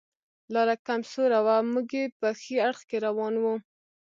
لاره کم سوره وه، موږ یې په ښي اړخ کې روان و.